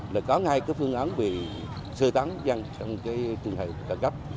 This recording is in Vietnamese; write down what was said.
là có ngay cái phương án về sơ tán dân trong cái trường hợp cản cấp